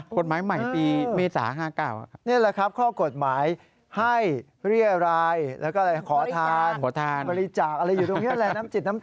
กฎหมายใหม่ปีเมตรา๕๙